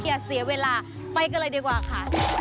อย่าเสียเวลาไปกันเลยดีกว่าค่ะ